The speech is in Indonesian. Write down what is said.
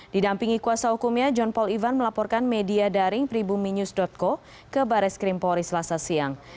didampingi kuasa hukumnya john paul ivan melaporkan media daring pribumi news co ke baris krimpori selasa siang